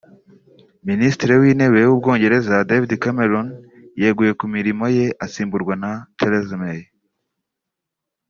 Minisitiri w’intebe w’ubwongereza David Cameron yeguye ku mirimo ye asimburwa na Theresa May